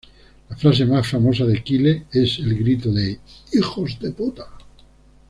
La frase más famosa de Kyle es el grito "¡Hijos de puta!